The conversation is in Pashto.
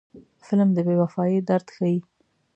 فلم د بې وفایۍ درد ښيي